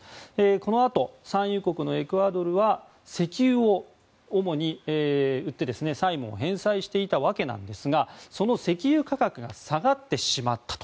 このあと、産油国のエクアドルは石油を主に売って債務を返済していたわけですがその石油価格が下がってしまったと。